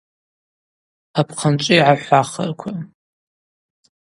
Апхъанчӏви гӏахӏвахраква.